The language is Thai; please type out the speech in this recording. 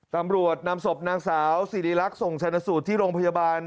ตำรวจนำศพนางสาวสิริรักษ์ส่งชนะสูตรที่โรงพยาบาล